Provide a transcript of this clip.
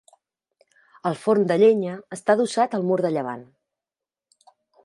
El forn de llenya està adossat al mur de llevant.